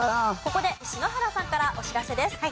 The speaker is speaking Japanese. ここで篠原さんからお知らせです。